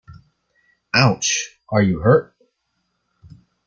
Ouch! Are you hurt?